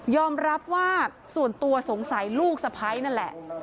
รับว่าส่วนตัวสงสัยลูกสะพ้ายนั่นแหละ